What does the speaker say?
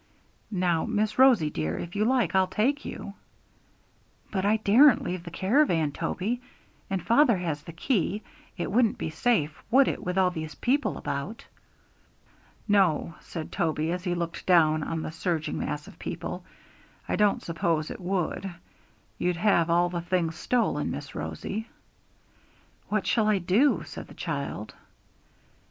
Now, Miss Rosie dear, if you like I'll take you.' 'But I daren't leave the caravan, Toby, and father has the key; it wouldn't be safe, would it, with all these people about?' 'No' said Toby, as he looked down on the surging mass of people, 'I don't suppose it would; you'd have all your things stolen, Miss Rosie.' 'What shall I do?' said the child.